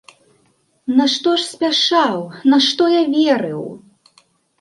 Нашто ж спяшаў, нашто я верыў?